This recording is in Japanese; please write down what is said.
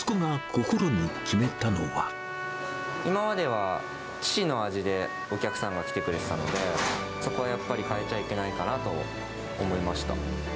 今までは、父の味でお客さんが来てくれてたので、そこはやっぱり変えちゃいけないかなと思いました。